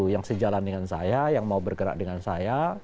yang sejalan dengan saya yang mau bergerak dengan saya